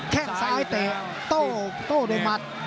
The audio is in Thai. แค่งซ้ายเตะโต้โดยมัด